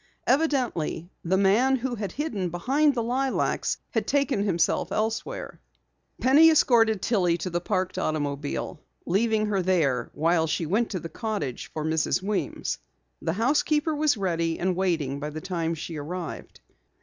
Evidently the man who had hidden behind the lilacs had taken himself elsewhere. Penny escorted Tillie to the parked automobile, leaving her there while she went to the cottage for Mrs. Weems. The housekeeper was ready and waiting by the time she arrived.